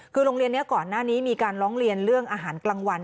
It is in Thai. คือโรงเรียนนี้ก่อนหน้านี้มีการร้องเรียนเรื่องอาหารกลางวัน